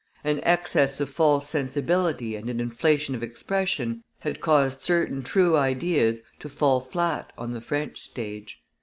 An excess of false sensibility and an inflation of expression had caused certain true ideas to fall flat on the French stage.